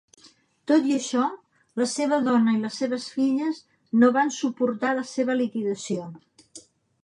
Tot i això, la seva dona i les seves filles no van suportar la seva liquidació.